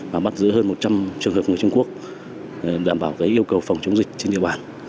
và bắt giữ hơn một trăm linh trường hợp người trung quốc đảm bảo yêu cầu phòng chống dịch trên địa bàn